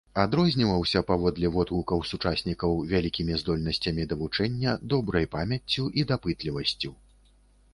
Адрозніваўся, паводле водгукаў сучаснікаў, вялікімі здольнасцямі да вучэння, добрай памяццю і дапытлівасцю.